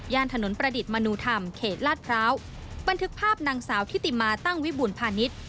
ถนนประดิษฐ์มนุธรรมเขตลาดพร้าวบันทึกภาพนางสาวทิติมาตั้งวิบูรพาณิชย์